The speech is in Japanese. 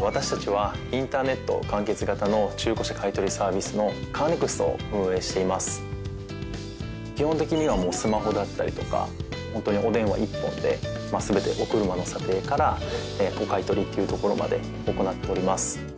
私たちはインターネット完結型の中古車買取サービスの基本的にはもうスマホだったりとかほんとにお電話一本でまあすべてお車の査定からお買取っていうところまで行っております